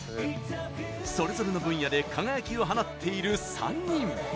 それぞれの分野で輝きを放っている３人。